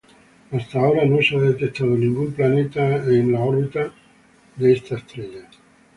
Hasta ahora no se ha detectado algún planeta en órbita alrededor de esta estrella.